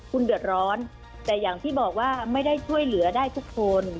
คุณเดือดร้อนแต่อย่างที่บอกว่าไม่ได้ช่วยเหลือได้ทุกคน